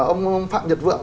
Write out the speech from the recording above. ông phạm nhật vượng